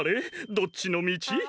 どっちのみち？